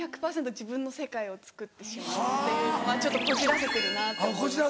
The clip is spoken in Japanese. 自分の世界をつくってしまうっていうのがちょっとこじらせてるなって思ってて。